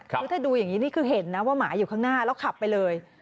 คือถ้าดูอย่างนี้นี่คือเห็นนะว่าหมาอยู่ข้างหน้าแล้วขับไปเลย